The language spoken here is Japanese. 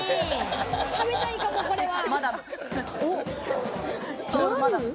食べたいかも、これは。